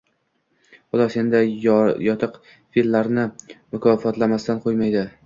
Xudo senday yotiqfe’llarni mukofotlamasdan qo‘ymaydi